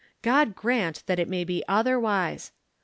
God grant that it may be otherwise.